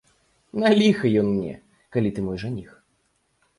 На ліха ён мне, калі ты мой жаніх.